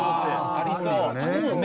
ありそう。